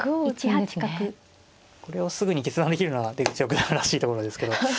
これをすぐに決断できるのは出口六段らしいところですけど。